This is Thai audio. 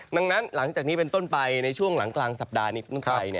ดังนั้นหลังจากนี้เป็นต้นไปในช่วงหลังกลางสัปดาห์นี้เป็นต้นไป